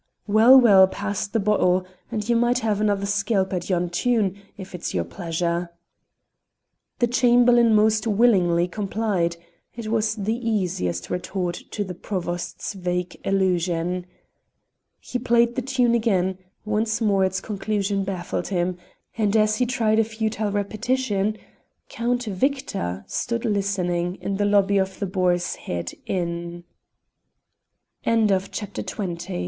Well, well, pass the bottle, and ye might have another skelp at yon tune if it's your pleasure." The Chamberlain most willingly complied: it was the easiest retort to the Provost's vague allusion. He played the tune again; once more its conclusion baffled him, and as he tried a futile repetition Count Victor stood listening in the lobby of the Boar's Head Inn. CHAPTER XXI COUNT VIC